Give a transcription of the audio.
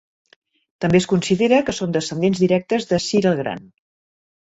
També es considera que són descendents directes de Cir el Gran.